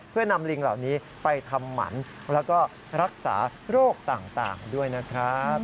เพื่อนำลิงเหล่านี้ไปทำหมันแล้วก็รักษาโรคต่างด้วยนะครับ